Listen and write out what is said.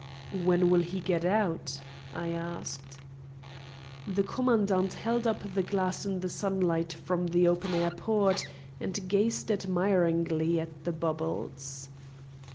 "When will he get out?" I asked. The commandant held up the glass in the sunlight from the open air port, and gazed admiringly at the bubbles.